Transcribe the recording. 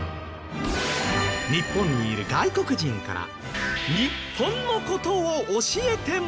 日本にいる外国人から日本の事を教えてもらおう。